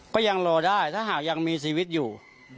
ก็ยังรอได้ถ้าหากยังมีชีวิตอยู่